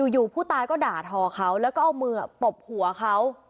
อยู่ผู้ตายก็ด่าทอเขาแล้วก็เอามือตบหัวเขา